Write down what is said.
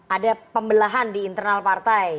ada pembelahan di internal partai